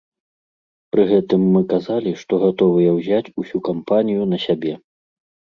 Пры гэтым мы казалі, што гатовыя ўзяць усю кампанію на сябе.